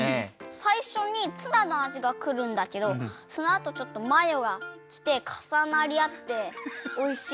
さいしょにツナのあじがくるんだけどそのあとちょっとマヨがきてかさなりあっておいしい。